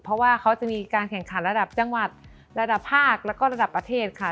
เพราะว่าเขาจะมีการแข่งขันระดับจังหวัดระดับภาคแล้วก็ระดับประเทศค่ะ